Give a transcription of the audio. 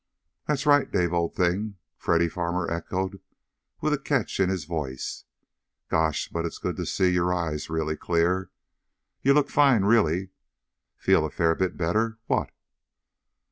"That's right, Dave, old thing," Freddy Farmer echoed with a catch in his voice. "Gosh, but it's good to see your eyes really clear. You look fine, really. Feel a fair bit better, what?"